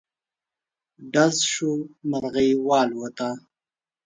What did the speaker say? ډز شو، مرغی والوته.